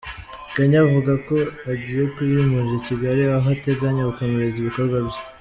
Kenya avuga ko agiye kuyimurira i Kigali aho ateganya gukomereza ibikorwa bye.